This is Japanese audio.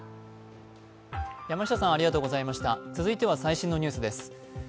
続いては最新のニュースです。